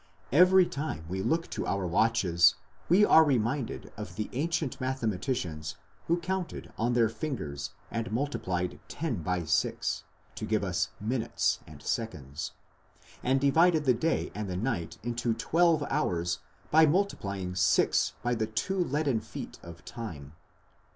Every time we look at our watches we are reminded of the ancient mathematicians who counted on their fingers and multiplied 10 by 6, to give us minutes and seconds, and divided the day and the night into twelve hours by multiplying six by the two leaden feet of Time.